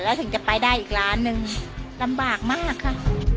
แล้วถึงจะไปได้อีกล้านหนึ่งลำบากมากค่ะ